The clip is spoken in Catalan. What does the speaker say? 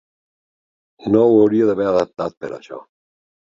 No ho hauria d'haver adaptat per a això.